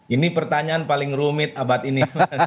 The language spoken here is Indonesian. ini pertanyaan paling rumit abad ini